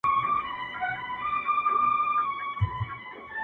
دا په غرونو کي لوی سوي دا په وینو روزل سوي،